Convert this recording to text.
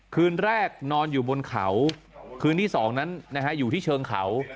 คืนแรกนอนอยู่บนเขาคืนที่๒นั้นอยู่ที่เชิงเขา